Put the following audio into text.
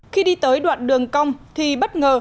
khi đi tới đoạn đường cong thì bất ngờ